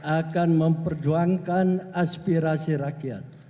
akan memperjuangkan aspirasi rakyat